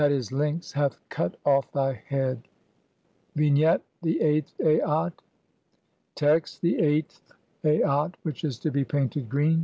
e., Lynx) "hath cut off thy head." VIII. Vignette : The eighth Aat c Text : (1) The eighth Aat (which is to be painted] green.